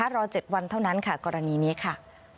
รอ๗วันเท่านั้นค่ะกรณีนี้ค่ะ